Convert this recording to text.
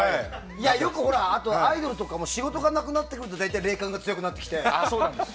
よく、アイドルとかも仕事がなくなってくると大体、霊感が強くなってきて。